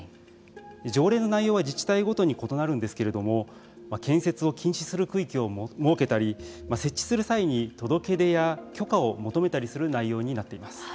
条例の内容は自治体ごとに異なるんですけれども建設を禁止する区域を設けたり設置する際に届け出や許可を求めたりする内容になっています。